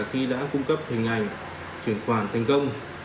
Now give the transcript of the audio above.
hình ảnh chuyển khoản thành công